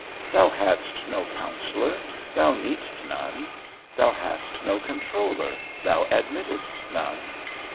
Thou hadst no counsellor, thou needst none; thou hast no controller, thou admittedst none.